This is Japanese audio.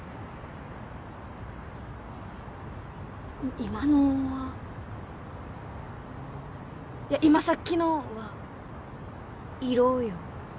今のはいや今さっきのは「いろよ」